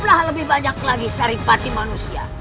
seramlah lebih banyak lagi saripati manusia